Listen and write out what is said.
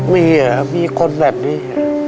มีอ่ะมีคนแบบนี้